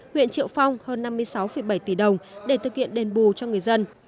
huyện triệu phong hơn năm mươi sáu bảy tỷ đồng để thực hiện đền bù cho người dân